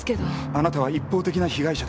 あなたは一方的な被害者だ。